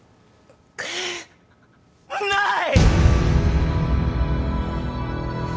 ない！！